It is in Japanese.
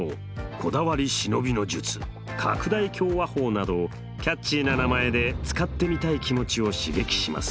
「こだわり忍びの術」「拡大鏡話法」などキャッチーな名前で使ってみたい気持ちを刺激します。